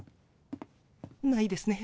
ないですね。